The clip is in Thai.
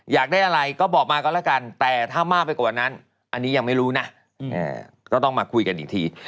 อยากได้อะไรก็บอกมาก็แล้วกันแต่ถ้ามากไปกว่านั้นอันนี้ยังไม่รู้นะก็ต้องมาคุยกันอีกที